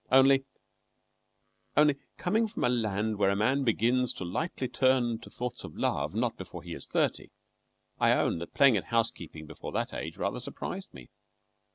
Only only coming from a land where a man begins to lightly turn to thoughts of love not before he is thirty, I own that playing at house keeping before that age rather surprised me.